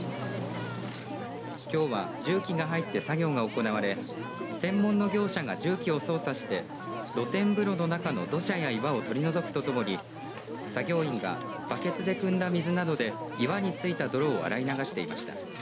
きょうは重機が入って作業が行われ専門の業者が重機を操作して露天風呂の中の土砂や岩を取り除くとともに作業員がバケツでくんだ水などで岩についた泥を洗い流していました。